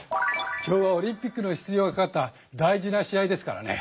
今日はオリンピックの出場がかかった大事な試合ですからね。